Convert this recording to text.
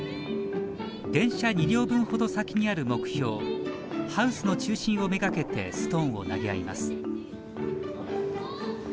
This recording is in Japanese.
電車２両分ほど先にある目標ハウスの中心を目がけてストーンを投げ合います